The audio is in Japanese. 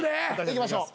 いきましょう。